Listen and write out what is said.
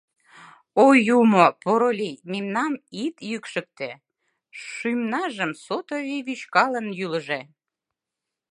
О Юмо, поро лий, Мемнам ит йӱкшыктӧ: Шӱмнажым сото вий Вӱчкалын йӱлыжӧ.